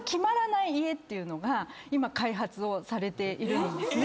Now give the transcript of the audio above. ていうのが今開発をされているんですね。